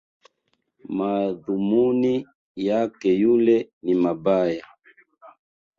Madhumuni yake yule ni mabaya